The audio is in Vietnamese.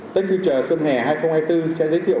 tech future xuân hè hai nghìn hai mươi bốn sẽ giới thiệu